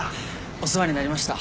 お世話になりました。